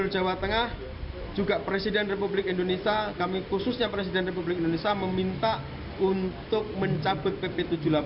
jawa tengah juga presiden republik indonesia kami khususnya presiden republik indonesia meminta untuk mencabut pp tujuh puluh delapan